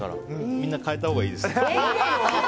みんな変えたほうがいいですよ。